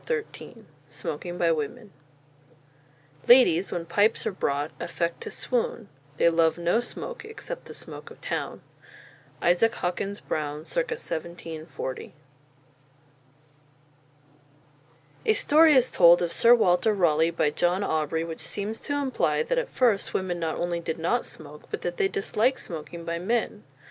'" XIII SMOKING BY WOMEN Ladies, when pipes are brought, affect to swoon; They love no smoke, except the smoke of Town. ISAAC HAWKINS BROWNE, circa 1740. A story is told of Sir Walter Raleigh by John Aubrey which seems to imply that at first women not only did not smoke, but that they disliked smoking by men.